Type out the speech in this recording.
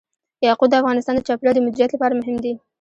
یاقوت د افغانستان د چاپیریال د مدیریت لپاره مهم دي.